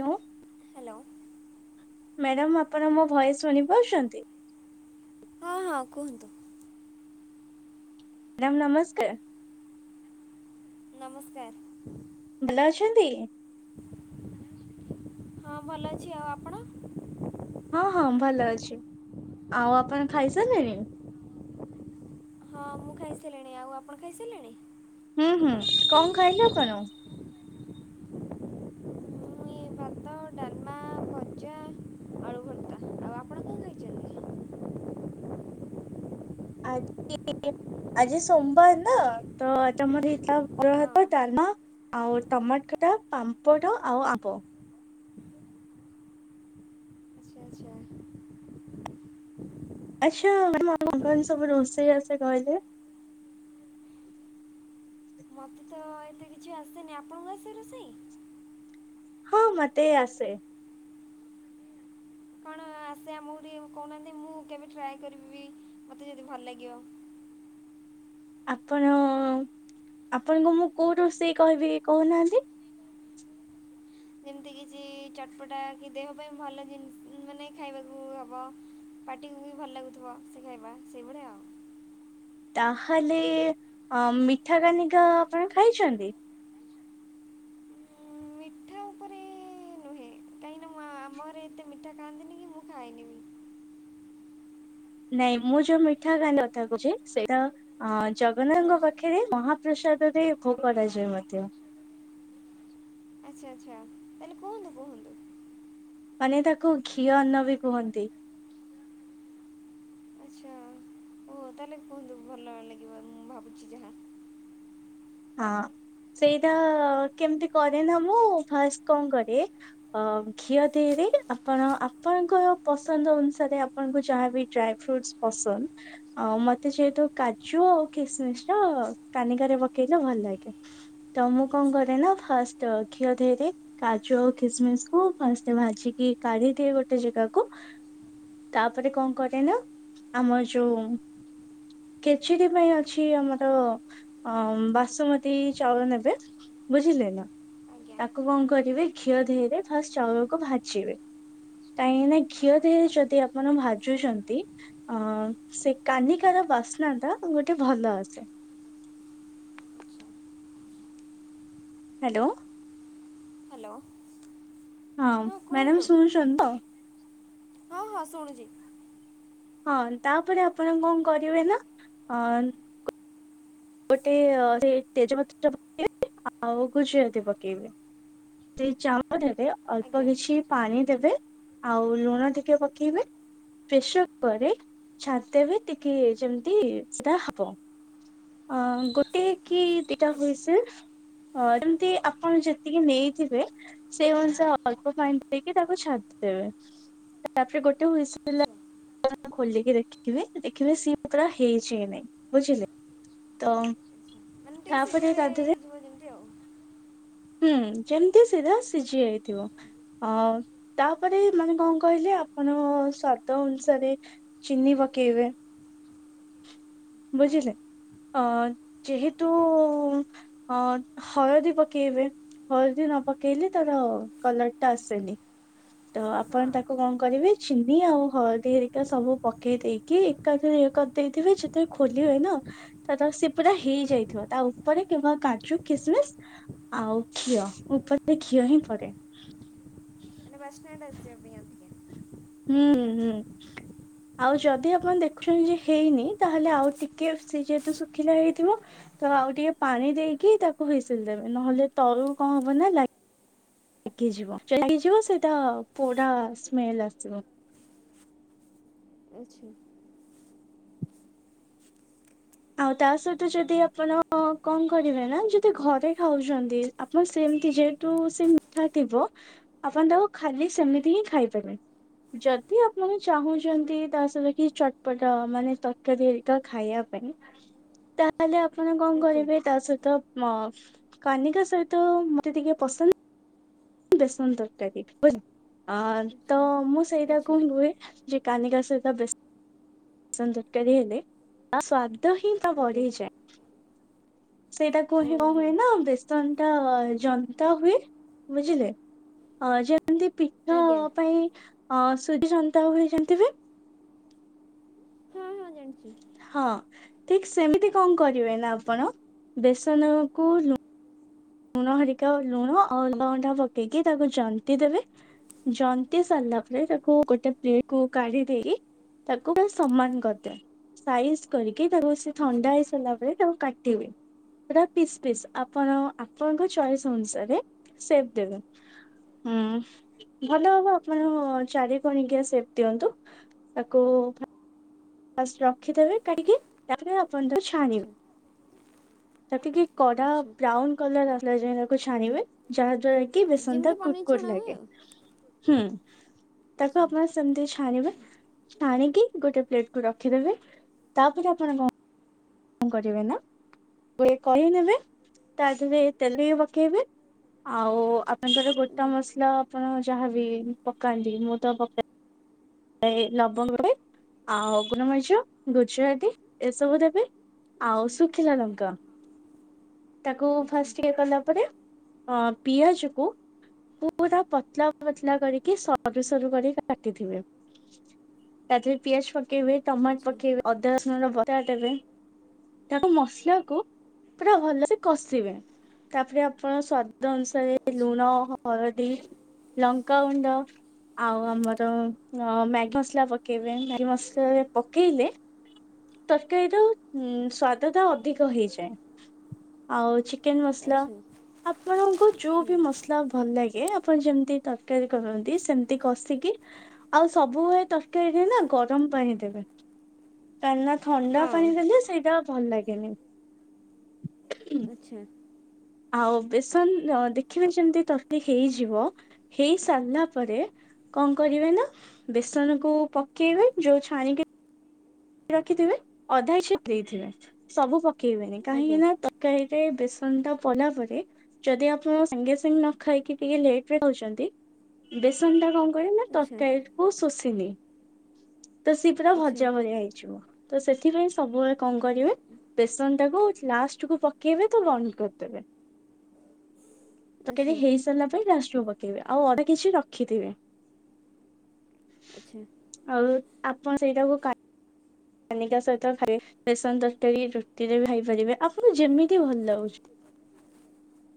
Hello. Hello. Madam ଆପଣ ମୋ voice ଶୁଣିପାରୁଚନ୍ତି? ହଁ ହଁ କୁହନ୍ତୁ। ମାଡମ ନମସ୍କାର। ନମସ୍କାର। ଭଲ ଅଛନ୍ତି? ହଁ ଭଲ ଅଛି ଆଉ ଆପଣ? ହଁ ହଁ ଭଲ ଅଛି। ଆଉ ଆପଣ ଖାଇସାରିଲେଣି? ହଁ ମୁଁ ଖାଇସାରିଲିଣି ଆଉ ଆପଣ ଖାଇସାରିଲେଣି? ହୁଁ ହୁଁ କଣ ଖାଇଲେ ଆପଣ? ମୁଁ ଭାତ ଡାଲମା ଭଜା ଆଳୁ ଭର୍ତ୍ତା ଆଉ ଆପଣ କଣ ଖାଇଛନ୍ତି? ହଁ ଆଜି ଇ ଇ ଆଜି ସୋମବାର ନା ତ ଆଜି ଆମର ହେଇଥିଲା ଅରୁଆ ଭାତ ଆଚ୍ଛା ଡାଲମା। ଆଉ ଟମାଟ ଖଟା ପାମ୍ପଡ ଆଉ ଆବ। ଆଛା ଆଛା। ଆଛା [unintelligible] କଣ କଣ ସବୁ ରୋଷେଇ ଆସେ କହିଲେ? ମତେ ତ ଏତେ କିଛି ଆସେନି ଆପଣଙ୍କୁ ଆସେ ରୋଷେଇ? ହଁ ମତେ ଆସେ। କଣ ଆସେ ଆମୁକୁ ଟିକେ କଉନାହାନ୍ତି ମୁଁ କେବେ ଟ୍ରାଏ କରିବିବି ମତେ ଯଦି ଭଲ ଲାଗିବ। ଆପଣ ଆପଣଙ୍କୁ ମୁଁ କୋଉ ରୋଷେଇ କହିବି କହୁନାହାନ୍ତି? ଯେମିତି କିଛି ଚଟପଟା କି ଦେହ ପାଇଁ ଭଲ ଜିନିଷ ଉଁ ମାନେ ଖାଇବାକୁ ହବ। ପାଟିକୁ ବି ଭଲ ଲାଗୁଥିବ ସେ ଖାଇବା ସେଇଭଳିଆ ଆଉ। ତାହେଲେ ଆ ମିଠା କାନିକା ଆପଣ ଖାଇଚନ୍ତି? ମିଠା ହଁ ଆମ ଘରେ ଏତେ ମିଠା ଖାଆନ୍ତିନି କି ମୁଁ ଖାଇନି ବି। ନାଇଁ ମୁଁ ଯୋଉ ମିଠା କାନିକା କଥା କହୁଛି ସେଇଟା ଆ ହଁ ଜଗନ୍ନାଥଙ୍କ ପାଖେରେ ମହାପ୍ରସାଦରେ ଭୋଗ କରାଯାଏ ମଧ୍ୟ। ଆଚ୍ଛା ଆଚ୍ଛା ତାହେଲେ କୁହନ୍ତୁ କୁହନ୍ତୁ ମାନେ ତାକୁ ଘିଅ ଅନ୍ନ ବି କୁହନ୍ତି। ଓ ତାହେଲେ କୁହନ୍ତୁ ଭଲ ଲାଗିବ ମୁଁ ଭାବୁଚି ଯାହା। ହଁ ସେଇଟା କେମିତି କରେ ନା ମୁଁ ଫାଷ୍ଟ କଣ କରେ? ଅ ଘିଅ ଦେହେରେ ଆପଣ ଆପଣଙ୍କ ପସନ୍ଦ ଅନୁସାରେ ଆ ପଣଙ୍କୁ ଯାହାବି ଡ୍ରାଏ ଫ୍ରୁଟ୍ସ ପସନ୍ଦ ଆଉ ମତେ ଯେହେତୁ କାଜୁ ଆଉ ଖିସମିସଟା କାନିକାରେ ପକେଇଲେ ଭଲ ଲାଗେ। ତ ମୁଁ କଣ ଆଚ୍ଛା କରେ ନା ଫାଷ୍ଟ ଘିଅ ଧେଏରେ କାଜୁ ଆଉ ଖିସମିସକୁ ଫାଷ୍ଟ ଭାଜିକି କାଢ଼ି ଦିଏ ଗୋଟେ ଜେଗାକୁ ତାପରେ କଣ କରେ ନା ଆମ ଯୋଉ ଖେଚିଡ଼ି ପାଇଁ ଅଛି ଆମର ଅ ବାସୁମତୀ ଚାଉଳ ନେବେ ବୁଝିଲେ ନା ଆଜ୍ଞା ତାକୁ କଣ କରିବେ ଘିଅ ଧିହରେ ଫାଷ୍ଟ ଚାଉଳକୁ ଭାଜିବେ କାହିଁକି ନା ଘିଅ ଆଚ୍ଛା ଆଚ୍ଛା ଧିଅରେ ଯଦି ଆପଣ ଭାଜୁଚନ୍ତି ଅ ସେ କାନିକାର ବାସ୍ନାଟା ଗୋଟେ ଭଲ ଆସେ। ହ୍ୟାଲୋ ହାଲୋ ହଁ ମ୍ୟାଡ଼ାମ୍ ଶୁଣୁଚନ୍ତି ତ? ହଁ ହଁ ଶୁଣୁଚି। ହଁ ତାପରେ ଆପଣ କଣ କରିବେ ନା ଆ ଗୋଟେ ସେ ତେଜପତ୍ରଟା ପକେଇବେ ଆଉ ଗୁଜୁରାତି ପକେଇବେ। ସେଇ ଚାଉଳ ଦେବେ ଅଳ୍ପ ଆଜ୍ଞା କିଛି ପାଣି ଦେବେ ଆଉ ଲୁଣ ଟିକେ ପକେଇବେ ପ୍ରେସର୍ କୁକରରେ ଛାଡିଦେବେ ଟିକେ ଯେମିତି ସେଟା ହବ। ଅ ଗୋଟିଏ କି ଦି ଟା ଆଜ୍ଞା ହୁଇସିଲ୍ ଅ ଯେମତି ଆପଣ ଯେତିକି ନେଇ ଥିବେ ସେଇ ଅନୁସା ଅଳ୍ପ ପାଣି ଦେଇକି ତାକୁ ଛାଡ଼ିଦେବେ। ତାପରେ ଗୋଟେ ହୁଇସିଲ୍ ଆ ଆଚ୍ଛା [unintelligible] ଖୋଲିକି ଦେଖିବେ ଦେଖିବେ ସିଏ ପୁରା ହେଇଚି କି ନାଇଁ ବୁଝିଲେ। ତ ମାନେ ତାପରେ ଟିକେ ତା ଦେହରେ [unintelligible] ହୁଏ ଯେମିତି ଆଉ। ହୁଁ ଯେମିତି ସିଧା ସିଜି ଯାଇଥିବ। ଅ ତାପରେ ହଁ ମାନେ କଣ କହିଲେ ଆପଣ ସ୍ଵାଦ ଅନୁସାରେ ଚିିନି ପକେଇବେ। ହଁ ବୁଝିଲେ ଅ ଯେହେତୁ ଆଜ୍ଞା ହଁ, ହଳଦୀ ପକେଇବେ। ହଳଦୀ ନ ପକେଇଲେ ତାର କଲର ଟା ଆସେନି। ତ ଆପଣ ହଁ ତାକୁ କଣ କରିବେ ଚିନି ଆଉ ହଳଦୀ ହେରିକା ସବୁ ପକେଇ ଦେଇେକି କି ଏକାଥରେ ଇଏ କରିଦେଇଥିବେ ଯେ ଖୋଲି ହୁଏ ନା ତ ସେ ପୁରା ହେଇଯାଇଥିବ ତା ଉପରେ କିମ୍ବା କାଜୁ କିସମିସ୍ ଆଉ ଘିଅ ଉପରେ ଘିଅ ହିଁ ପଡେ। ମାନେ ବାସ୍ନା ତା [inaudible] ହୁଏ। ହୁଁ, ହୁଁ ହୁଁ। ଆଉ ଯଦି ଆପଣ ଦେଖୁଛନ୍ତି ଯେ ହେଇନି ତା ହେଲେ ଆଉ ଟିକେ ସେ ଯେହେତୁ ଶୁଖିଲା ହେଇଥିବ। ତ ଆଉ ଟିକେ ପାଣି ଦେଇକି ତାକୁ ହୁଇସିଲ ଦେବେ ନହେଲେ ତଳକୁ କଣ ହବ ନା ଲା ଲାଗିଯିବ, ଯଦି ଲାଗିଯିବ ସେଇଟା ପୋଡ଼ା ସ୍ମେଲ ଆସିବ। ଆଛା। ଆଉ ତା ସହିତ ଯଦି ଆପଣ କଣ କରିବେ ନା ଯଦି ଘରେ ଖାଉଛନ୍ତି। ଆପଣ ସେମିତି ଯେହେତୁ ସେ ମିଠା ଥିବ ଆପଣ ତାକୁ ଖାଲି ସେମିତି ହିଁ ଖାଇ ପାରିବେ। ଯଦି ଆପଣ ଆଚ୍ଛା ଚାହୁଁଛନ୍ତି ତା ସହିତ କିଛି ଚଟପଟା ମାନେ ତରକାରୀ ହରିକା ଖାଇବା ପାଇଁ। ତା ହେଲେ ଆପଣ କଣ ଆଜ୍ଞା କରିବେ ତା ସହିତ ମ କାନିକା ସହିତ ମତେ ଟିକେ ପସନ୍ଦ ବେସନ ତରକାରୀ ବଟ୍ ତ ଆଚ୍ଛା ମୁଁ ସେଇଟାକୁ ଆଚ୍ଛା ହିଁ କୁହେ। ଯେ କାନିକା ସହିତ ବେସନ ତରକାରୀ ହେଲେ ତା ସୁଆଦ ତ, ହିଁ, ତ ଆଜ୍ଞା ବଢିଯାଏ ସେଇଟା କୁହେ ଓହୋ ହୁଏ ନା ବେଶ ବେସନଟା ଜନ୍ତା ହୁଏ ବୁଝିଲେ ଅ ଯେମତି ପିଠା ଆଜ୍ଞା ପାଇଁ ସୁଜି ଯନ୍ତା ହୁଏ ଯେମିତି ହୁଏ। ଜାଣଛି। ହଁ, ଠିକ୍ ସେମିତି କଣ କରିବେ ନା ଆପଣ ବେସନକୁ ଲୁ ଲୁଣ ହରିକା ଲୁଣ ଆଉ [inaudible] ପକେଇକି ତାକୁ ଜନ୍ତି ଦେବେ ଜନ୍ତି ସାରିଲା ପରେ ତାକୁ ଗୋଟେ ପ୍ଲେଟକୁ କାଢି ଦେଇ ତାକୁ ବା ସମାନ କରି ଦେବେ। ସାଇଜ କରିକି ତାକୁ ସେ ଆଚ୍ଛା ଥଣ୍ଡା ହେଇ ସାରିଲା ପରେ ତାକୁ କାଟିବେ। ପୁରା ପିସ୍ ପିସ୍ ଆପଣ ଆପଣଙ୍କ ଚଏସ୍ ଅନୁସାରେ ସେଫ୍ ଦେବେ। ହୁଁ, ଭଲ ହବ ଆପଣ ଚାରି କଣିକିଆ ସେପ୍ ଦିଅନ୍ତୁ। ତାକୁ ଫା ଫାଷ୍ଟ ରଖିଦେବେ କାଢିକି ତା ପରେ ଆପଣ ତାକୁ ଆଚ୍ଛା ଛାଣିବେ ତାକୁ ଟିକେ କଡା ଆଚ୍ଛା ବ୍ରାଉନ କଲର ଆସିଲା ଯାଏ ତାକୁ ଛାଣିବେ ଯାହା ଦ୍ଵାରା କି ବେସନଟା ଯେମିତି କୁଡ ପନିର କୁଡ ଛଣା ହୁଏ ଲାଗେ। ଆଉ ହୁଁ, ତାକୁ ଆଚ୍ଛା ଆପଣ ଆଜ୍ଞା ସେମିତି ଛାଣିବେ ଛାଣିକି ଗୋଟେ ପ୍ଲେ ରଖିଦେବେ ତା ପରେ ଆପଣ କଣ କଣ କରିବେ ନା ଗୋଟେ କଢେଇ ନେବେ ତା ଦେହରେ ତେଲରେ ପକେଇବେ। ଆଉ ଆପଣଙ୍କର ଗୋଟା ମସଲା ଆପଣ ଯାହାବି ପକାନ୍ତି ମୁଁ ତ ପକା ଏ ଲବଙ୍ଗରେ ଆଉ ଗୁଲମରିଚ, ଗୁଜୁରାତି ଏସବୁ ଦେବେ। ଆଉ ଶୁଖିଲା ଲଙ୍କା ତାକୁ ଫାଷ୍ଟ ଇଏ କଲା ପରେ ହଁ, ପିଆଜକୁ ପୁରା ପତଲା ପତଲା କରିକି ସରୁ ସରୁ କରିକି କାଟିଥିବେ। ତା ଦିହରେ ପିଆଜ ପକେଇବେ, ଟମାଟ ଆଚ୍ଛା ପକେଇବେ, ଅଦା, ରସୁଣ ବଟା, ଦେବେ ତାକୁ ମସଲାକୁ ପୁରା ଭଲସେ କଷିବେ ତାପରେ ଆପଣ ସ୍ଵାଦ ସ୍ଵାଦ ଅନୁସାରେ ଆଚ୍ଛା ଲୁଣ ହ ହଳଦୀ, ଲଙ୍କାଗୁଣ୍ଡ ଆଉ ଆମର ଅ ମ୍ୟାଗି ମସଲା ପକେଇବେ ମ୍ୟାଗି ମସଲା ପକେଇଲେ ତରକାରୀର ହୁଁ ସ୍ଵାଦଟା ଅଧିକ ହେଇଯାଏ, ଆଉ ଚିକ୍ ଚିକେନ୍ ମସଲା ଆଚ୍ଛା ଆପଣଙ୍କ ଯୋଉ ହୁଁ ବି ମସ ନା ଭଲ ଲାଗେ ଆପଣ ଯେମିତି ତରକାରୀ କରନ୍ତି ସେମତି କଷିକି ଆଉ ସବୁବେଳେ ତରକାରୀରେ ନା ଗରମ ପାଣି ଦେବେ କାଁଇନା ଥଣ୍ଡା ହଁ ପାଣି ଦେଲେ ସେଇଟା ଭଲ ଲାଗେନି। ଆଛା। ଆଉ ବେସନ ଦେଖିବେ ସେମିତି ତରକାରି ହେଇଯିବ, ହେଇସାରିଲା ପରେ କଣ କରିବେ ନା, ବେସନ କୁ ପକେଇବେ, ଯୋଉ ଛାଣିକି ରଖିଥିବେ। ଅଧା ଛାଡି ଦେଇଥିବେ ସବୁ ପକେଇବେନି। କାହିଁକି ଆଜ୍ଞା ନା କାହିରେ ବେସନ ଟା ପଇଲା ପରେ ଯଦି ଆପଣ ସାଙ୍ଗେ ସାଙ୍ଗେ ନ ଖାଇକି ଟିକେ ଲେଟ୍ ରେ ଖାଉଛନ୍ତି ବେସନ ଟା କଣ କରେ ନା ଆଚ୍ଛା ତରକାରୀ କୁ ଶୋଷିନିଏ। ତ ସିଏ ପୁରା ଆଚ୍ଛା ଭଜା ଭଳିଆ ହେଇଯିବ। ତ ସେଥିପାଇଁ ସବୁବେଳେ କଣ କରିବେ ବେସନ ଟାକୁ ଲାଷ୍ଟ କୁ ପକେଇବେ ତ ବନ୍ଦ କରିଦେବେ। ତରକାରି ଆଚ୍ଛା ହେଇସାରିଲା ପାରେ ଲାଷ୍ଟକୁ ପକେଇବେ। ଆଉ ଅଳ୍ପ କିଛି ରଖିଥିବେ। ଆଚ୍ଛା। ଆଉ ଆପଣ ସେଇଟାକୁ କା କାନିକା ସହିତ ଖାଇବେ। ବେସନ ତରକାରୀ ରୁଟିରେ ବି ଖାଇପାରିବେ। ଆପଣଙ୍କୁ ଯେମିତି ଭଲ ଲାଗୁଛି।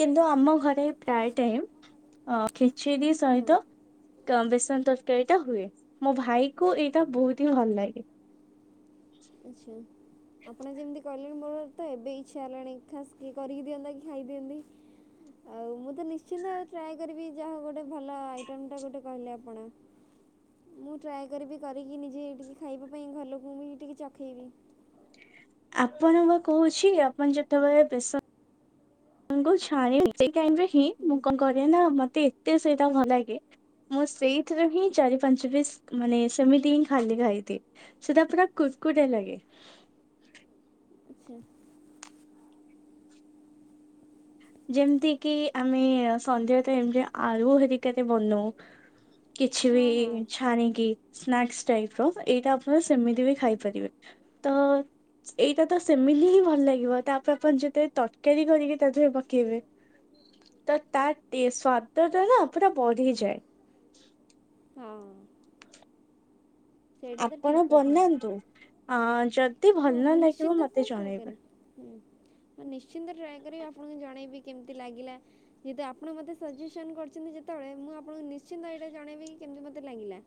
କିନ୍ତୁ ଆମ ଘରେ ପ୍ରାୟ ଟାଇମ୍ ଖିଚୁଡ଼ି ହଁ ସହିତ ବେସନ ତରକାରୀ ଟା ହୁଏ। ମୋ ଭାଇ କୁ ଏଇଟା ବୋହୁତ୍ ହିଁ ଭଲ ଲାଗେ। ଆଛା। ଆପଣ ଯେମିତି କହିଲେଣି ମୋର ତ ଏବେ ଇଚ୍ଛା ହେଲାଣି ଖାସ୍ କିଏ କରିକି ଦିଅନ୍ତା କି ଖାଇଦିଅନ୍ତି। ଆଉ ମୁଁ ତ ନିଶ୍ଚିନ୍ତ ଟ୍ରାଏ କରିବି ଯାହା ହୋଉ ଗୋଟେ ଭଲ ଆଇଟମ୍ ଟା ଗୋଟେ କହିଲେ ଆପଣ। ଁ ମୁଁ ଟ୍ରାଏ କରିବି କରିକି ନିଜେ ଟିକେ ଖାଇବା ପାଇଁ, ଘର ଲୋକଙ୍କୁ ବି ଟିକେ ଚଖେଇବି। ଆପଣ ପା କହୁଛି ଆପଣ ଯେତେବେଳେ ବେସ ନକୁ ଛାଣିବେ, ସେ ଟାଇମ୍ ରେ ହିଁ, ମୁଁ କଣ ହୁଁ କରେ ନା ମତେ ଏତେ ସେଇଟା ଭଲ ଲାଗେ ମୁଁ ସେଇଥିରୁ ହିଁ ଚାରି ପାଞ୍ଚ ପିସ୍ ମାନେ ସେମିତି ହିଁ ଖାଲି ଖାଇଦିଏ। ସେଟା ପୁରା କୁଡ୍ କୁଡା ଲାଗେ। ଆଚ୍ଛା। ଯେମିତି କି ଆମେ ସନ୍ଧ୍ୟ ଟାଇମ୍ ରେ ଆଳୁ ହେରିକାରେ ବନଉ କିଛିବି ହଁ ହଁ ଛାଣିକି ସ୍ନାକ୍ସ ଟାଇପ୍ ର ଏଇଟା ଆପଣ ସେମିତି ବି ଖାଇପାରିବେ। ତ ଏଇଟା ତ ସେମିତି ହିଁ ଭଲ ଲାଗିବ। ତାପରେ ଆପଣ ଯେତେବେଳେ ତରକାରୀ କରିକି ତା ଦେହରେ କେଇବେ ତ ତା ସ୍ଵାଦତା ନା ପୁରା ବଢିଯାଏ। ହଁ। ସେଇଟା ତ ଆପଣ ଠିକ୍ କଥା ବନାନ୍ତୁ ଆ ଯ ହଁ ମୁଁ ନିଶ୍ଚିନ୍ତ ତ ଟ୍ରାଏ କରିବି। ହୁଁ ମୁଁ ନିଶ୍ଚିନ୍ତ ଟ୍ରାଏ କରିବି, ଆପଣଙ୍କୁ ଜଣେଇବି କେମିତି ଲାଗିଲା। ଯେହେତୁ ଆପଣ ମୋତେ ସଜେସନ୍ କରିଛନ୍ତି ଯେତେବେଳେ ମୁଁ ଆପଣଙ୍କୁ ନିଶ୍ଚିନ୍ତ ଏଇଟା ଜଣେଇବି କି କେମିତି ମୋତେ ଲାଗିଲା।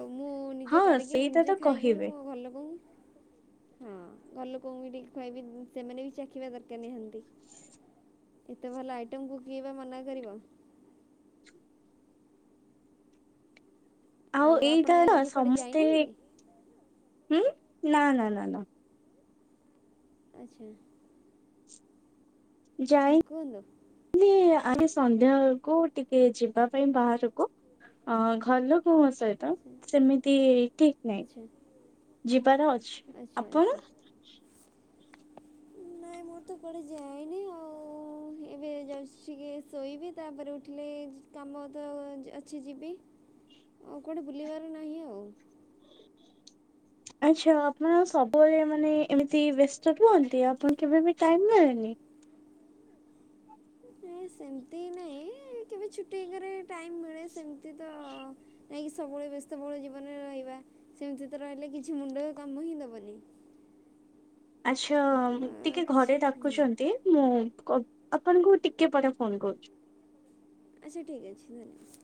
ଆଉ ମୁଁ ନିଜେ ହଁ କରିକି ସେଇଟା ତ ନିଜେ ଖାଇକି ବି କହିବେ। ମୋ ଘର ଲୋକଙ୍କୁ ହଁ ଘର ଲୋକଙ୍କୁ ବି ଟିକେ ଖୁଆଇବି ସେମାନେ ବି ଚାଖିବା ଦରକାର ନିହାତି। ଏତେ ଭଲ ଆଇଟମ୍ କୁ କିଏବା ମନା କରିବ। ଆଉ ଆପଣ ଏଇଟାନା ଆଜି କୁଆଡ଼େ ସମସ୍ତେ, ଯାଇନାହାନ୍ତି? ହୁଁ ନା ନା ନା ନା ଆଚ୍ଛା। ହଁ ଯାଇ କୁହନ୍ତୁ ଆଜି ସନ୍ଧ୍ୟା ବେଳକୁ ଟିକେ ଯିବା ପାଇଁ ବାହାରକୁ ଅ ଘର ଲୋକ କଉ ଆ ସହିତ ଆଚ୍ଛା ସେମିତି ଠିକ୍ ନାହିଁ। ଆଚ୍ଛା ଯିବାର ଅଛି। ଆଚ୍ଛା ଆପଣ? ଆଚ୍ଛା। ମୁଁ ତ କୁଆଡ଼େ ଯାଏନି ଆଉ, ଏବେ ଯାଉଛି ଟିକେ ଶୋଇବି ତାପରେ ଉଠିଲେ ଯି କାମ ତ ଅ ଅଛି ଯିବି, ଆଉ କୁଆଡ଼େ ବୁଲିବାର ନାହିଁ ଆଉ। ଆଚ୍ଛା ଆପଣ ସବୁବେଳେ ମାନେ ଏମିତି ବେସ୍ତ ରୁହନ୍ତି? ଆପଣ କେବେ ବି ଟାଇମ୍ ମିଳେନି? ନାଇ ସେମିତି ନାହିଁ, କେବେ ଛୁଟି ଏକାରେ ଟାଇମ ମିଳେ, ସେମିତି ତ ନାଇଁକି ସବୁବେଳେ ବ୍ୟସ୍ତ ବହୁଳ ଜୀବନରେ ରହିବା। ସେମିତି ତ ରହିଲେ କିଛି ମୁଣ୍ଡ କାମ ହିଁ ଦବନି। ଆଛା, ଟିକେ କିଛି ଘରେ ହୁଁ ଡାକୁଛନ୍ତି, ମୁଁ କ ଆପଣଙ୍କୁ ଟିକେ ପରେ ଫୋନ କରୁଛି। ଆଛା, ଠିକ୍ ଅଛି ଧନ୍ୟବାଦ।